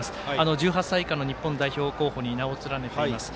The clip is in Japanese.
１８歳以下の日本代表候補に名を連ねています。